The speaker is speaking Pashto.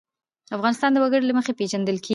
افغانستان د وګړي له مخې پېژندل کېږي.